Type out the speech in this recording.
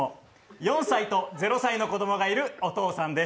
４歳と０歳の子供がいるお父さんです。